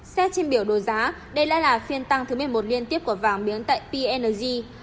các trên biểu đồ giá đây lại là phiên tăng thứ một mươi một liên tiếp của vàng miếng tại pnrg